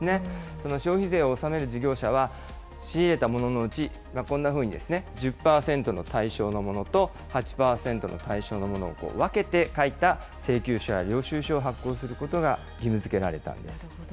その消費税を納める事業者は、仕入れたもののうち、こんなふうにですね、１０％の対象のものと、８％の対象のものを分けて書いた請求書や領収書を発行することがなるほど。